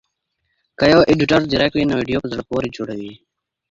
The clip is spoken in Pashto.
که یو ایډیټور ځیرک وي نو ویډیو په زړه پوري جوړوي.